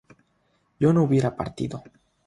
¿yo no hubiera partido?